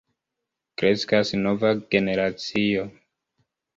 Kreskas nova generacio.